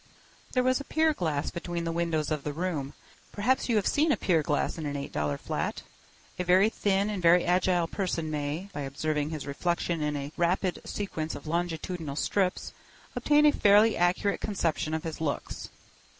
There was a pier glass between the windows of the room. Perhaps you have seen a pier glass in an $8 flat. A very thin and very agile person may, by observing his reflection in a rapid sequence of longitudinal strips, obtain a fairly accurate conception of his looks.